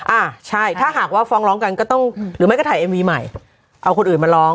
อ่าใช่ถ้าหากว่าฟ้องร้องกันก็ต้องหรือไม่ก็ถ่ายเอ็มวีใหม่เอาคนอื่นมาร้อง